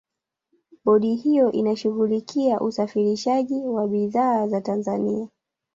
bodi hiyo inashughulikia usafirishaji wa bidhaa za tanzania